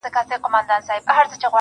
سیاه پوسي ده، رنگونه نسته.